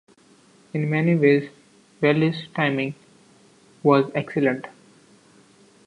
In many ways, Wallis' timing was excellent.